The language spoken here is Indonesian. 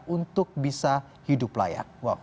untuk bisa hidup layak